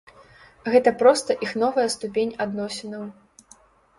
Гэта проста іх новая ступень адносінаў.